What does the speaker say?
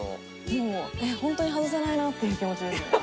もう本当に外せないなっていう気持ちですね。